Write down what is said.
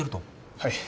はい。